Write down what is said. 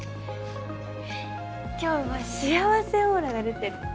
今日は幸せオーラが出てる。